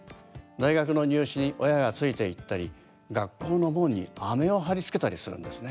大学の入試に親がついていったり学校の門にアメを貼り付けたりするんですね。